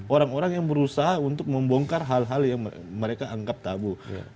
orang orang yang berusaha untuk membongkar hal hal yang mereka anggap tabu